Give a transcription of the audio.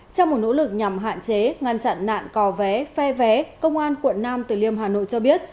trong một nỗ lực nhằm hạn chế ngăn chặn nạn cò vé phe vé công an quận nam từ liêm hà nội cho biết